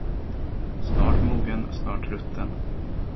Snart mogen, snart rutten